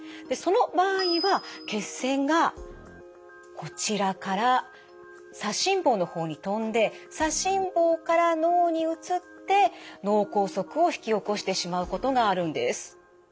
でその場合は血栓がこちらから左心房の方にとんで左心房から脳に移って脳梗塞を引き起こしてしまうことがあるんです。